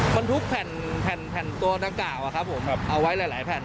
มันทุกแผ่นตัวหนังกาวออกไว้หลายแผ่น